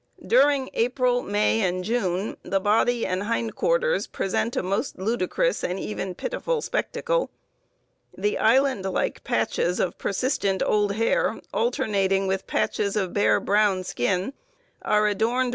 During April, May, and June the body and hind quarters present a most ludicrous and even pitiful spectacle. The island like patches of persistent old hair alternating with patches of bare brown skin are adorned